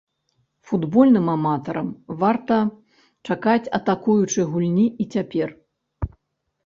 Футбольным аматарам варта чакаць атакуючай гульні і цяпер.